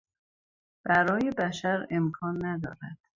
برای بشر امکان ندارد.